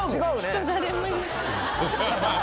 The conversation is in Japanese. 人誰もいない。